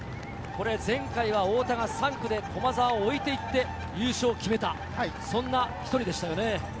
前回は太田が３区で駒澤を置いていって優勝を決めた、そんな一人でしたよね。